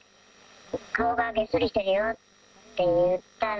顔がげっそりしてるよって言ったら、